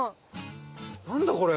何だこれ？